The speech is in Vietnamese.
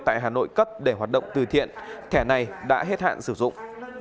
tại hà nội cấp để hoạt động từ thiện thẻ này đã hết hạn sử dụng